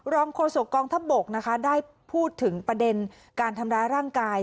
โฆษกองทัพบกนะคะได้พูดถึงประเด็นการทำร้ายร่างกาย